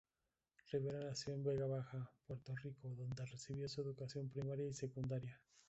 Rivera nació en Vega Baja, Puerto Rico, donde recibió su educación primaria y secundaria.